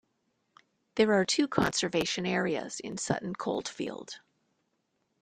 There are two conservation areas in Sutton Coldfield.